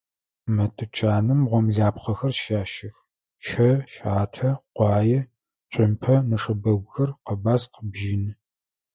Мы тучаным гъомлапхъэхэр щащэх: щэ, щатэ, къуае, цумпэ, нэшэбэгухэр, къэбаскъ, бжьыны.